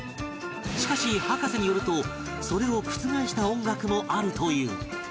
しかし葉加瀬によるとそれを覆した音楽もあるという